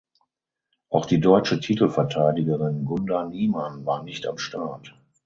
Auch die deutsche Titelverteidigerin Gunda Niemann war nicht am Start.